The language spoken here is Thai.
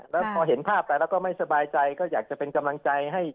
แล้วพอเห็นภาพไปแล้วก็ไม่สบายใจก็อยากจะเป็นกำลังใจให้